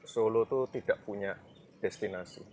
solo itu tidak punya destinasi